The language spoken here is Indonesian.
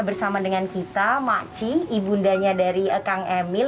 bersama dengan kita makci ibundanya dari kang emil